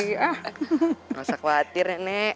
gak usah khawatir ya nek